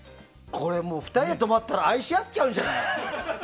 ２人で泊まったら愛し合っちゃうじゃない。